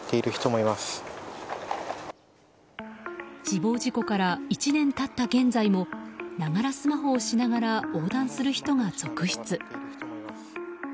死亡事故から１年経った現在もながらスマホをしながら横断する人が続出。